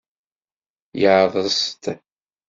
Yeɛḍes-d.